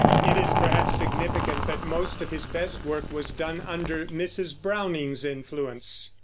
It is perhaps significant that most of his best work was done under Mrs. Browning's influence.